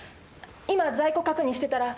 今在庫確認してたら。